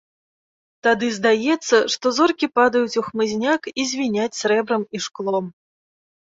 Тады здаецца, што зоркі падаюць у хмызняк і звіняць срэбрам і шклом.